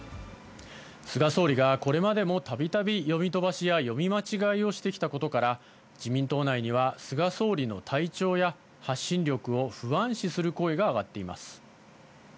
菅総理がこれまでも、たびたび読み飛ばしや読み間違いをしてきたことから、自民党内には菅総理の体調や、発信力を不安視する声が上がっています。